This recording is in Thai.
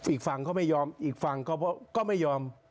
อีกฝั่งเขาไม่ยอมอีกฝั่งเขาก็ไม่ยอม